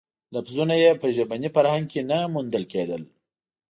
لفظونه یې په ژبني فرهنګ کې نه موندل کېدل.